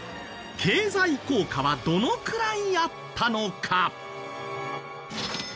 経済効果はどのくらいあったのか？